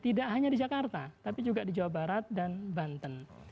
tidak hanya di jakarta tapi juga di jawa barat dan banten